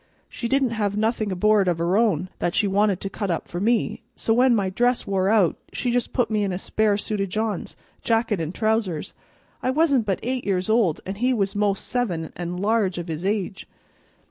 She didn't have nothing aboard, of her own, that she wanted to cut up for me, so when my dress wore out she just put me into a spare suit o' John's, jacket and trousers. I wasn't but eight years old an' he was most seven and large of his age.